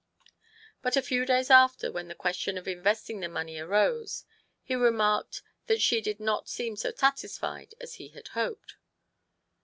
But a few days after, when the question of investing the money arose, he remarked that she did not seem so satisfied as he had hoped.